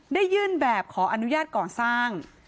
ยื่นแบบขออนุญาตก่อสร้าง